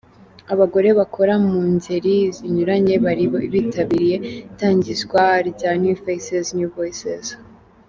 Abagore bakora mu ngeri zinyuranye bari bitabiriye itangizwa rya New Faces New Voices.